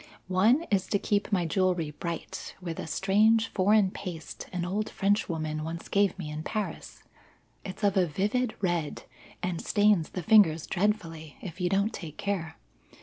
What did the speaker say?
One is to keep my jewelry bright with a strange foreign paste an old Frenchwoman once gave me in Paris. It's of a vivid red, and stains the fingers dreadfully if you don't take care.